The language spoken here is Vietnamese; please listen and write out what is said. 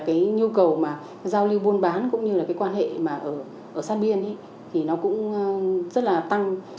cái nhu cầu mà giao lưu buôn bán cũng như là cái quan hệ mà ở sát biên thì nó cũng rất là tăng